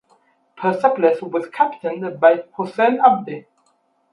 Persepolis was captained by Hossein Abdi.